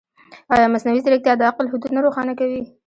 ایا مصنوعي ځیرکتیا د عقل حدود نه روښانه کوي؟